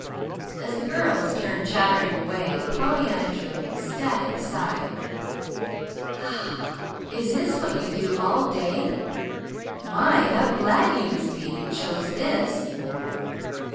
As the girls turned chattering away Pollyanna drew an ecstatic sigh. "Is this what you do all day? My, how glad you must be you chose this!"